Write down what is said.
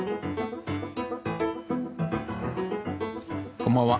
こんばんは。